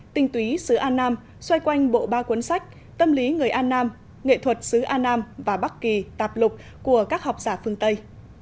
tinh túy sứ an nam xoay quanh bộ ba cuốn sách tâm lý người an nam nghệ thuật sứ an nam và bắc kỳ tạp lục của các học giả phương tây